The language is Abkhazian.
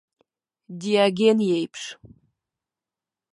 Диоген иеиԥш.